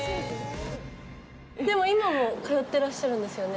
でも今も通ってらっしゃるんですよね？